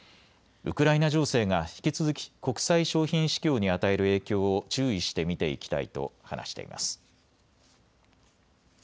ウクライナ情勢が引き続き国際商品市況に与える影響を注意して見ていきたいと話しています。